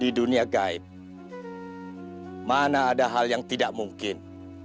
di dunia gaib mana ada hal yang tidak mungkin